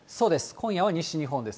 今夜は西日本です。